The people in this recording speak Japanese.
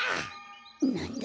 なんだ？